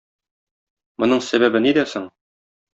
Моның сәбәбе нидә соң?